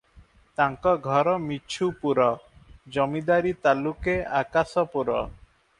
ତାଙ୍କ ଘର ମିଛୁପୁର, ଜମିଦାରୀ ତାଲୁକେ ଆକାଶପୁର ।